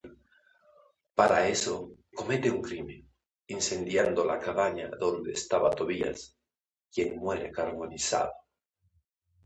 Para eso comete un crimen, incendiando la cabaña donde estaba Tobías, quien muere carbonizado.